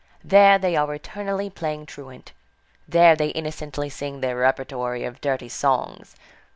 There they are eternally playing truant. There they innocently sing their repertory of dirty songs.